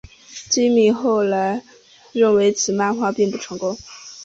今敏后来认为此漫画并不成功。